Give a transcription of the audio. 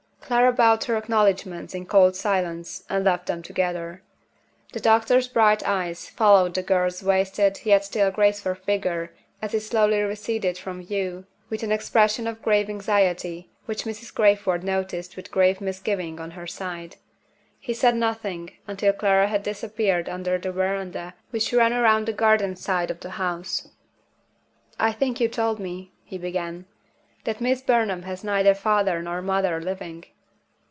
Clara bowed her acknowledgments in cold silence, and left them together. The doctor's bright eyes followed the girl's wasted, yet still graceful figure as it slowly receded from view, with an expression of grave anxiety which Mrs. Crayford noticed with grave misgiving on her side. He said nothing, until Clara had disappeared under the veranda which ran round the garden side of the house. "I think you told me," he began, "that Miss Burnham has neither father nor mother living?"